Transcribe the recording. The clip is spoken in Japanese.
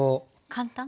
簡単？